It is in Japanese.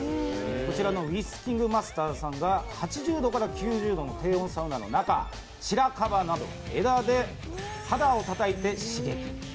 こちらのウィスキングマスターさんが８０度から９０度の低温サウナの中、しらかばなど枝で肌をたたいて刺激。